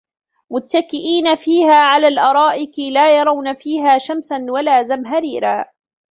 مُتَّكِئينَ فيها عَلَى الأَرائِكِ لا يَرَونَ فيها شَمسًا وَلا زَمهَريرًا